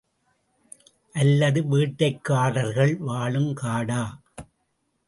அல்லது வேட்டைக்காரர்கள் வாழும் காடா?